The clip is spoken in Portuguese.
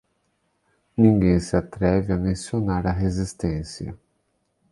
Ninguém se atreve a mencionar a resistência